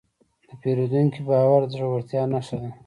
د پیرودونکي باور د زړورتیا نښه ده.